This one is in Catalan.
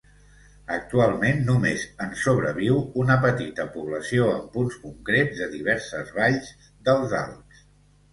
Actualment només en sobreviu una petita població en punts concrets de diverses valls dels Alps.